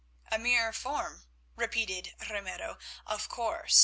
"A mere form," repeated Ramiro, "of course.